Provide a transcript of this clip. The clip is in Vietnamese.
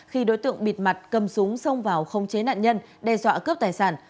khi đối tượng bịt mặt cầm súng xông vào không chế nạn nhân đe dọa cướp tài sản